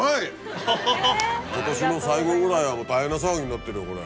今年の最後ぐらいは大変な騒ぎになってるよこれ。